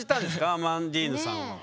アマンディーヌさんは。